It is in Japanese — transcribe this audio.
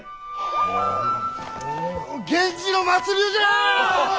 源氏の末流じゃ！